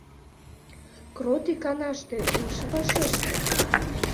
Крот иканаште ыш вашеште.